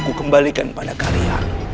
aku kembalikan pada kalian